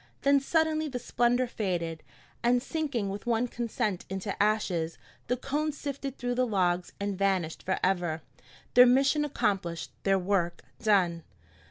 Then suddenly the splendor faded, and sinking with one consent into ashes, the cones sifted through the logs and vanished forever, their mission accomplished, their work done.